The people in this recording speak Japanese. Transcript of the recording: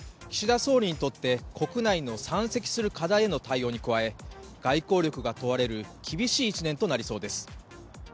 総理にとって国内の山積する課題への対応に加え外交力が問われる厳しい一年となりそうです。